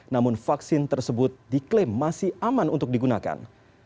namun vaksin tersebut diklaim masih aman untuk digunakan